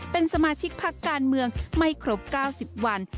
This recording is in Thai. เป็นสมาชิกพักการเมืองไม่ครบ๙๐วัน